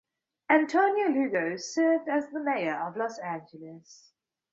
Antonio Lugo served as the Alcalde (Mayor) of Los Angeles.